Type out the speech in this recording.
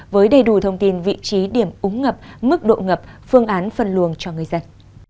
với đầy đủ thông tin vị trí điểm úng ngập mức độ ngập phương án phân luồng cho người dân